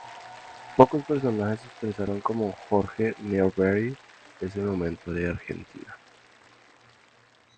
Pocos personajes expresaron como Jorge Newbery ese momento de Argentina.